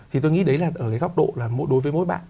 thì tôi nghĩ đấy là ở cái góc độ là đối với mỗi bạn